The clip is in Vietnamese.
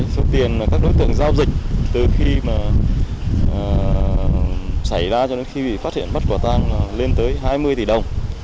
số tiền các đối tượng giao dịch từ khi mà xảy ra cho đến khi bị phát hiện bất quả tăng lên tới hai mươi tỷ đồng